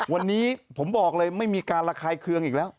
วันนี้ผมบอกเลยไม่มีการระคายเคืองอีกแล้ว